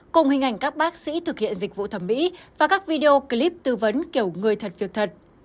cùng hình ảnh các bác sĩ thực hiện dịch vụ thẩm mỹ và các video clip tư vấn kiểu người thật việc thật